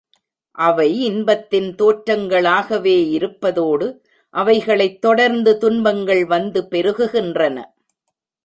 அவை இன்பத்தின் தோற்றங்களாகவே இருப்பதோடு, அவைகளைத் தொடர்ந்து துன்பங்கள் வந்து பெருகுகின்றன.